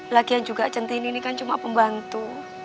lagian juga centini ini kan cuma pembantu